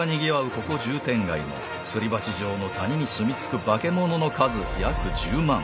ここ渋天街のすり鉢状の谷にすみつくバケモノの数約１０万。